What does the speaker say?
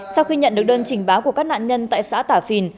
sau khi nhận được đơn trình báo của các nạn nhân tại xã tả phìn